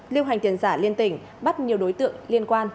lưu hành tiền giả liên tỉnh bắt nhiều đối tượng liên quan